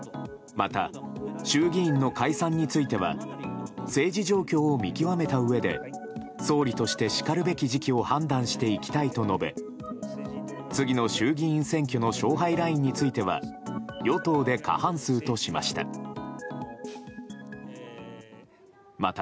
また衆議院の解散については政治状況を見極めたうえで総理としてしかるべき時期を判断していきたいと述べ次の衆議院選挙の勝敗ラインについては与党で過半数としました。